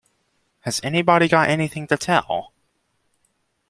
Has anybody got anything to tell?